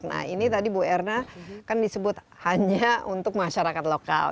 nah ini tadi bu erna kan disebut hanya untuk masyarakat lokal